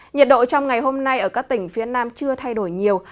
nhiệt độ trong ngày hôm nay ở các tỉnh phía nam chưa thay đổi nhiều